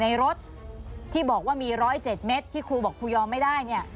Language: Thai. ในรถที่บอกว่ามี๑๐๗เมตรที่ครูบอกครูยอมไม่ได้เนี่ย